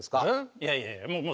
いやいやいやもうねおっ！